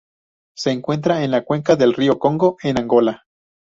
Se encuentra en la cuenca del río Congo en Angola.